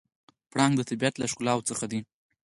پړانګ د طبیعت له ښکلاوو څخه دی.